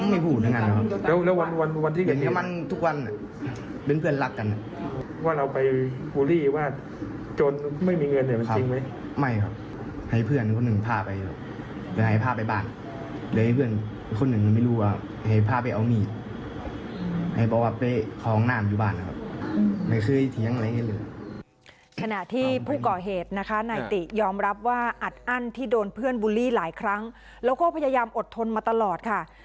ไม่เคยแค่อย่างนี้เลยขณะที่ผู้ก่อเหตุนะคะในติยอมรับว่าอัดอั้นที่โดนเพื่อนบุลลี่หลายครั้งแล้วก็พยายามอดทนมาตลอดค่ะัน